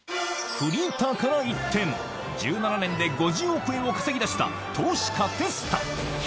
フリーターから一転、１７年で５０億円を稼ぎ出した、投資家、テスタ。